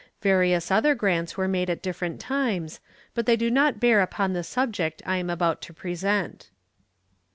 Various other grants were made at different times, but they do not bear upon the subject I am about to present.